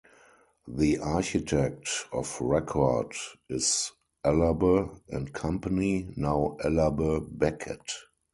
The architect of record is Ellerbe and Company, now Ellerbe Becket.